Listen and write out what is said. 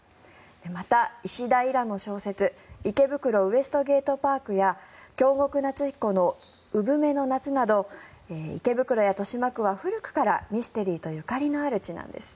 また、石田衣良の小説「池袋ウエストゲートパーク」や京極夏彦の「姑獲鳥の夏」など池袋や豊島区は古くからミステリーとゆかりのある地なんです。